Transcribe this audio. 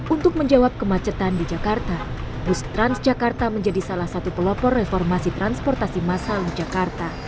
untuk menjawab kemacetan di jakarta bus transjakarta menjadi salah satu pelopor reformasi transportasi masal di jakarta